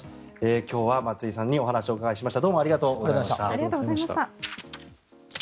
今日は松井さんにお話をお伺いしました。